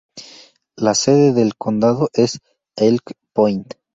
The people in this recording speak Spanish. La sede del condado es Elk Point.